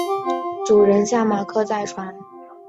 主教座堂设在图卢兹。